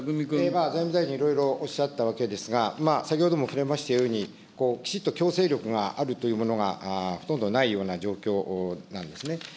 今、財務大臣、いろいろおっしゃったわけですが、先ほども触れましたとおり、きちっと強制力があるというものがほとんどないような状況なんですね。